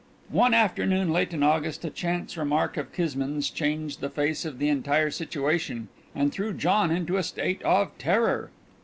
One afternoon late in August a chance remark of Kismine's changed the face of the entire situation, and threw John into a state of terror.